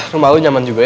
rumah lu nyaman juga ya